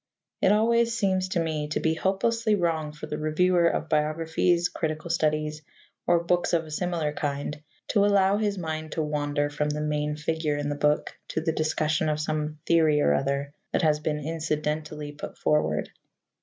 It always seems to me to be hopelessly wrong for the reviewer of biographies, critical studies, or books of a similar kind, to allow his mind to wander from the main figure in the book to the discussion of some theory or other that has been incidentally put forward.